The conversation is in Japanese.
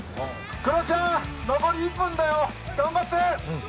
黒ちゃん、残り１分だよ、頑張って！